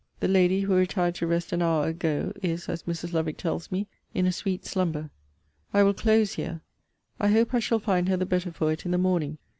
The lady who retired to rest an hour ago, is, as Mrs. Lovick tells me, in a sweet slumber. I will close here. I hope I shall find her the better for it in the morning.